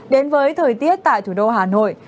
đến với thời tiết tại thủ đô hà nội